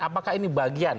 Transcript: apakah ini bagian